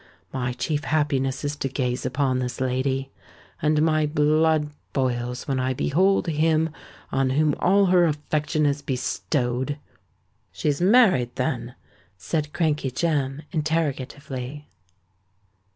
My chief happiness is to gaze upon this lady—and my blood boils when I behold him on whom all her affection is bestowed." "She is married, then?" said Crankey Jem, interrogatively.